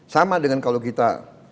sama dengan kalau kita